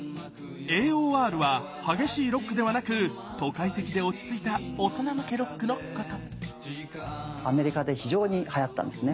ＡＯＲは激しいロックではなく都会的で落ち着いた大人向けロックのことアメリカで非常にはやったんですね。